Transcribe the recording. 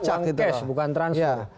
kalau korupsi itu uang cash bukan transfer